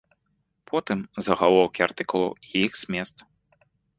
Потым загалоўкі артыкулаў і іх змест.